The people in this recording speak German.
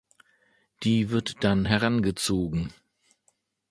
Die wird dann herangezogen.